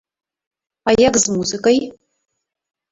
А як з музыкай?